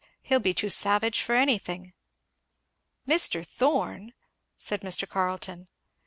He'll be too savage for anything." "Mr. Thorn!" said Mr. Carleton.